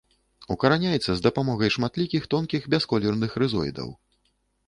Укараняецца з дапамогай шматлікіх тонкіх бясколерных рызоідаў.